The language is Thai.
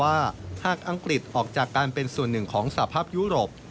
ว่าหากอังกฤษออกจากการเป็นส่วนหนึ่งของสภาพยุโรป